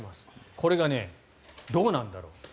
これがどうなんだろう。